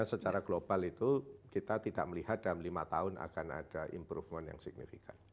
secara global itu kita tidak melihat dalam lima tahun akan ada improvement yang signifikan